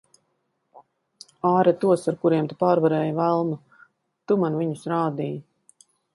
Āre tos, ar kuriem tu pārvarēji velnu. Tu man viņus rādīji.